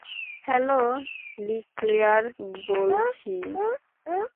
Hello, Leclair বলছি।